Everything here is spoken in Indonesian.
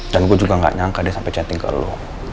dan gue juga nggak nyangka dia sampai chatting ke lu